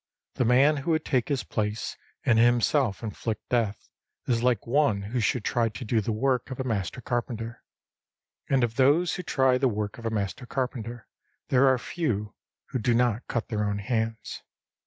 The man who would take his place and himself inflict death, is like one who should try to do the work of a master carpenter. And of those who try the work of a master carpenter there are few who do not cut their own hands.